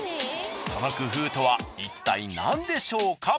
その工夫とはいったい何でしょうか？